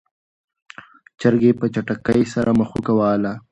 چرګې په چټکۍ سره مښوکه وهله.